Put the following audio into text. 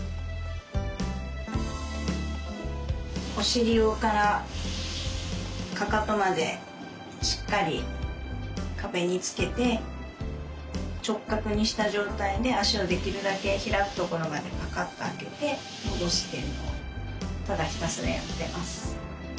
お尻からかかとまでしっかり壁につけて直角にした状態で足をできるだけ開くところまでパカっと開けて戻すっていうのをただひたすらやっています。